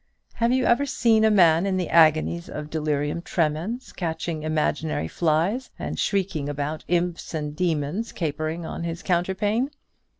Have you ever seen a man in the agonies of delirium tremens, catching imaginary flies, and shrieking about imps and demons capering on his counterpane?